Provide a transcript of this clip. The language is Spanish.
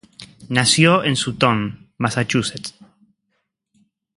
Nació en Sutton, Massachusetts.